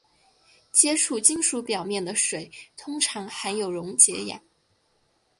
接触金属表面的水通常含有溶解氧。